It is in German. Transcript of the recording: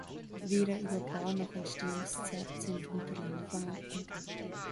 Weder über Bau noch Entstehungszeit sind Unterlagen vorhanden.